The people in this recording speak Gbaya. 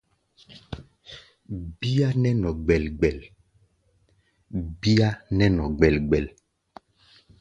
Bíá nɛ́ nɔ gbɛl-gbɛl.